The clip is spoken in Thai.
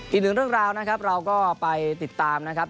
อีกหนึ่งเรื่องราวนะครับเราก็ไปติดตามนะครับ